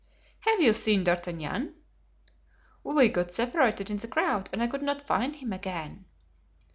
"Have you seen D'Artagnan?" "We got separated in the crowd and I could not find him again."